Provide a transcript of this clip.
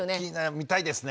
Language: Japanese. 見たいですね。